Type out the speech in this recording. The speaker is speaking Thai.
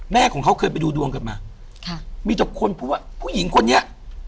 แม่ของเขาเคยไปดูดวงกันมาค่ะมีแต่คนพูดว่าผู้หญิงคนนี้